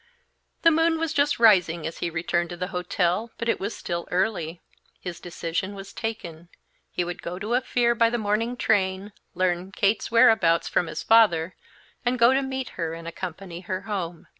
The moon was just rising as he returned to the hotel, but it was still early. His decision was taken; he would go to Ophir by the morning train, learn Kate's whereabouts from his father, and go to meet her and accompany her home.